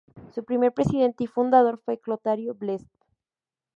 Su primer presidente y fundador fue Clotario Blest.